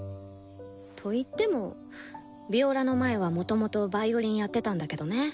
と言ってもヴィオラの前はもともとヴァイオリンやってたんだけどね。